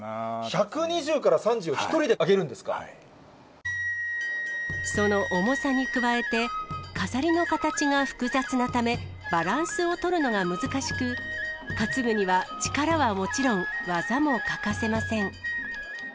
１２０から３０を１人で上げその重さに加えて飾りの形が複雑なため、バランスを取るのが難しく、担ぐには力はもちろん、技も欠かせません。